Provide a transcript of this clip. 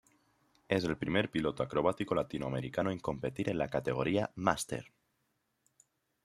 Es el primer piloto acrobático latinoamericano en competir en la categoría Master.